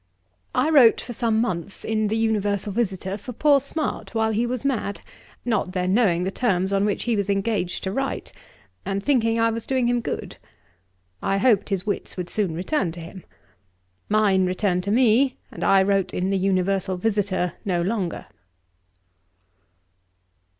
I wrote for some months in The Universal Visitor, for poor Smart, while he was mad, not then knowing the terms on which he was engaged to write, and thinking I was doing him good. I hoped his wits would soon return to him. Mine returned to me, and I wrote in The Universal Visitor no longer.'